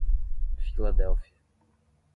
Filadélfia